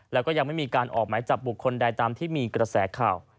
แล้วก็ยังไม่มีการออกหมายจับบุคคลใดตามที่มีกระแสข่าว